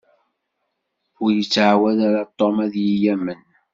Ur ittɛawed ara Tom ad yi-yamen.